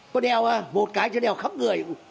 có đeo một cái cho đeo khắp người